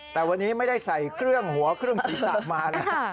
แต่วันนี้ไม่ได้ใส่เครื่องหัวเครื่องศีรษะมานะ